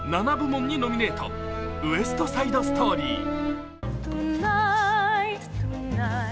７部門にノミネート「ウエスト・サイド・ストーリー」。